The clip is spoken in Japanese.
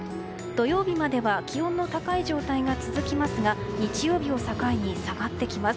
土曜日までは気温の高い状態が続きますが日曜日を境に下がってきます。